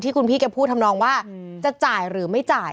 คุณพี่แกพูดทำนองว่าจะจ่ายหรือไม่จ่าย